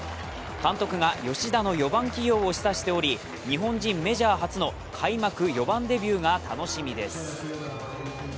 監督が吉田の４番起用を示唆しており日本人メジャー初の開幕４番デビューが楽しみです。